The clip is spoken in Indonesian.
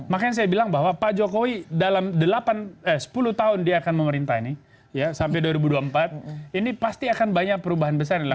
makanya saya bilang bahwa pak jokowi dalam sepuluh tahun dia akan memerintah ini sampai dua ribu dua puluh empat ini pasti akan banyak perubahan besar dilakukan